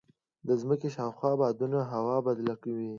د ځمکې شاوخوا بادونه هوا بدله وي.